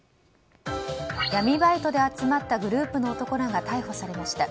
闇バイトで集まったグループの男らが逮捕されました。